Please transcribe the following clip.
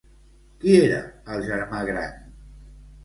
Qui era el germà gran?